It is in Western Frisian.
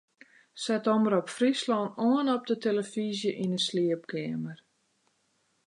Set Omrop Fryslân oan op de tillefyzje yn 'e sliepkeamer.